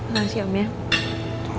makasih om ya